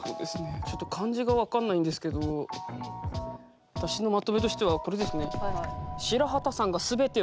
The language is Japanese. ちょっと漢字が分かんないんですけど私のまとめとしてはこれですね。